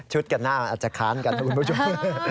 ชุดกับหน้าอาจจะค้านกันทุกคุณผู้ชม